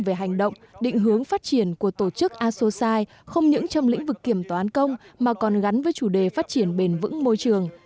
về hành động định hướng phát triển của tổ chức asosite không những trong lĩnh vực kiểm toán công mà còn gắn với chủ đề phát triển bền vững môi trường